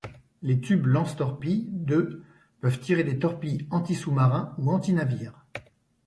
Les tubes lance-torpilles de peuvent tirer des torpilles anti-sous-marins ou anti-navires.